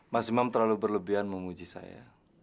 mas imam terlalu berlebihan menguji saya